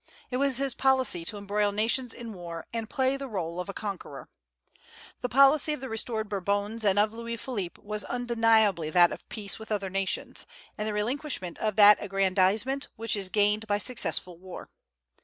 It was his policy to embroil nations in war and play the rôle of a conqueror. The policy of the restored Bourbons and of Louis Philippe was undeniably that of peace with other nations, and the relinquishment of that aggrandizement which is gained by successful war.